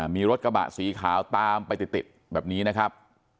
มีรถกระบะสีขาวตามไปติดแบบนี้นะครับ